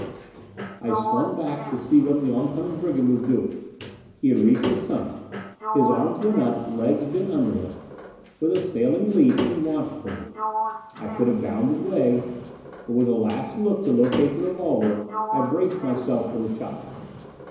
I swung back to see what the oncoming brigand was doing. He had reached the summit. His arms went up, legs bent under him. With a sailing leap he launched for me. I could have bounded way, but with a last look to locate the revolver, I braced myself for the shock.